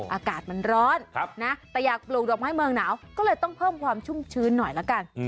อากาศมันร้อนนะแต่อยากปลูกดอกไม้เมืองหนาวก็เลยต้องเพิ่มความชุ่มชื้นหน่อยละกัน